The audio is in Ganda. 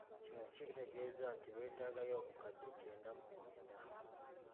Kino kitegeeza nti beetaagayo obukadde kyenda mu mwenda.